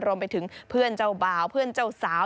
รวมไปถึงเพื่อนเจ้าบ่าวเพื่อนเจ้าสาว